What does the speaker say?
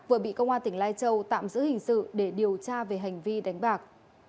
vừa bị công an tỉnh lai châu tạm giữ hình sự để điều tra về hành vi đánh bạc